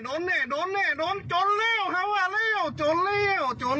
โดนเนี้ยโดนเนี้ยโดนโจรแล้วเขาอ่ะแล้วโจรแล้วโจร